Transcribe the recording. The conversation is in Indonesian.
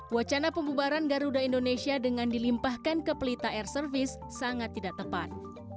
wacana pembubaran garuda indonesia dengan dilimpahkan ke pelita air service sangat tidak tepat